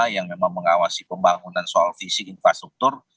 yang memang mengawasi pembangunan soal visi infrastruktur